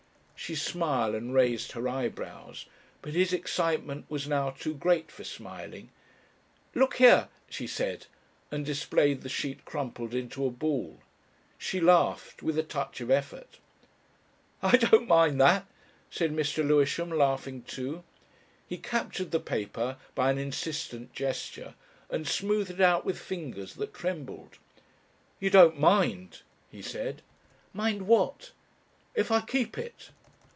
She smiled and raised her eyebrows, but his excitement was now too great for smiling. "Look here!" she said, and displayed the sheet crumpled into a ball. She laughed with a touch of effort. "I don't mind that," said Mr. Lewisham, laughing too. He captured the paper by an insistent gesture and smoothed it out with fingers that trembled. "You don't mind?" he said. "Mind what?" "If I keep it?"